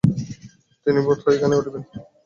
তিনি বোধ হয় এখনই উঠিবেন।